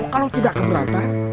kalau tidak keberatan